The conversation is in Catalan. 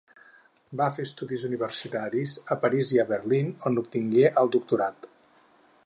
Va fer estudis universitaris a París i a Berlín, on obtingué el doctorat.